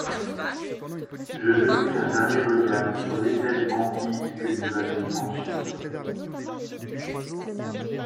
Je jetai un dernier regard sur l’épaisse banquise que nous allions franchir.